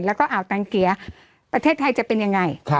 แล้วก็อ่าวตังเกียร์ประเทศไทยจะเป็นยังไง